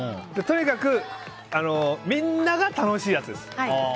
とにかくみんなが楽しいやつです。